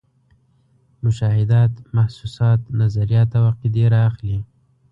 مشاهدات، محسوسات، نظریات او عقیدې را اخلي.